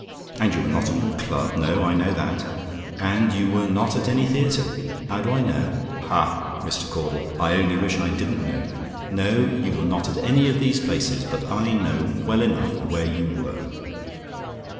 And you were not at your Club: no, I know that. And you were not at any theatre. "HOW DO I KNOW? "Ha, Mr. Caudle! I only wish I didn't know. No; you were not at any of these places; but I know well enough where you were.